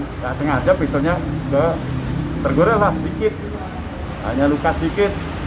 tidak sengaja pistolnya sudah tergorel sedikit hanya luka sedikit